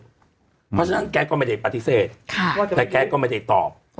เพราะฉะนั้นแกก็ไม่ได้ปฏิเสธแต่แกก็ไม่ได้ตอบ